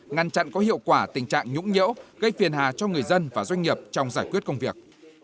ngăn chặn có hiệu quả tình trạng nhũng nhễu gây phiền hà cho người dân và doanh nghiệp trong giải quyết công việc